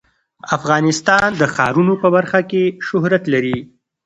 افغانستان د ښارونو په برخه کې شهرت لري.